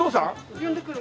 呼んでくる。